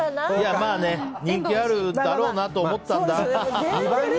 まあね、人気あるだろうなと思ったんだ。